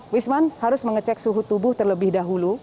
wisman harus mengecek suhu tubuh terlebih dahulu